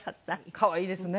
可愛いですね。